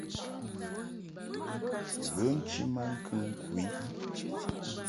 Ghə nchi maŋkəŋ ku i.